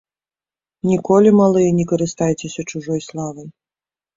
Ніколі, малыя, не карыстайцеся чужой славай.